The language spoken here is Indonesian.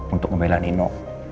untuk membela nino